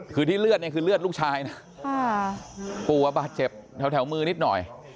คือที่เลือดเนี่ยคือเลือดลูกชายนะปู่บาดเจ็บแถวมือนิดหน่อย